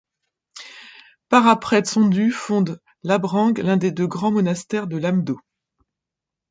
Par après Tsondru fonde Labrang, l'un des deux grands monastères de l'Amdo.